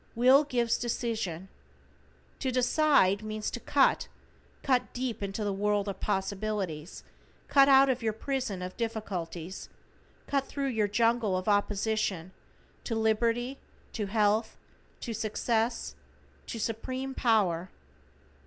Will gives decision. To decide means "to cut"; cut deep into the world of possibilities, cut out of your prison of difficulties, cut thru your jungle of opposition to liberty, to health, to success, to supreme power.